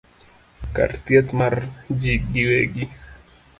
kar thieth mar jii giwegi